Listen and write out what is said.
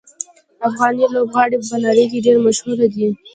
افغاني لوبغاړي په نړۍ کې ډېر مشهور دي.